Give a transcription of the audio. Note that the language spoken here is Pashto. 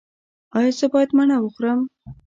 ایا زه باید مڼه وخورم؟